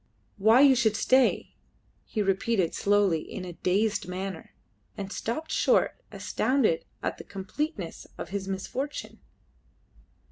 "Why you should stay!" he repeated slowly, in a dazed manner, and stopped short, astounded at the completeness of his misfortune.